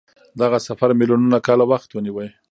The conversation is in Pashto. دغه سفر میلیونونه کاله وخت ونیو.